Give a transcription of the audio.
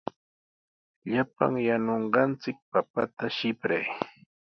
Llapan yanunqanchik papata sipray.